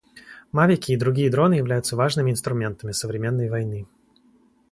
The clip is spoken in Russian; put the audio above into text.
Мавики и другие дроны являются важными инструментами современной войны.